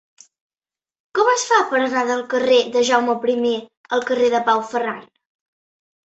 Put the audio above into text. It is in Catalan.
Com es fa per anar del carrer de Jaume I al carrer de Pau Ferran?